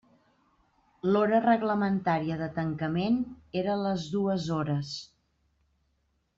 L'hora reglamentària de tancament era les dues hores.